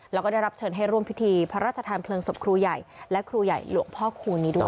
แล้วก็ได้รับเชิญให้ร่วมพิธีพระราชทานเพลิงศพครูใหญ่และครูใหญ่หลวงพ่อคูณนี้ด้วย